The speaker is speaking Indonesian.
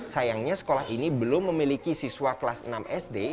sayangnya sekolah ini belum memiliki siswa kelas enam sd